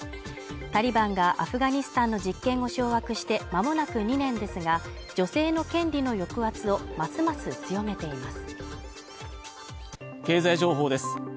タリバンがアフガニスタンの実権を掌握して、まもなく２年ですが、女性の権利の抑圧をますます強めています。